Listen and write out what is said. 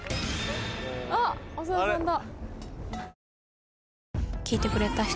あっ長田さんだ。